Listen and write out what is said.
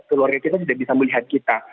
keluarga kita tidak bisa melihat kita